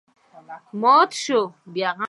مات شول.